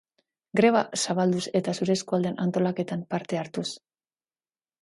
Greba zabalduz eta zure eskualdean antolaketan parte hartuz.